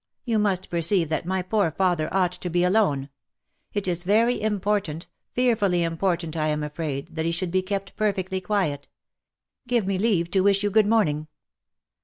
You must perceive that my poor father ought to be alone. It is very important — fearfully important, I am afraid — that he should be kept perfectly quiet ! Give me leave to wish you good morning."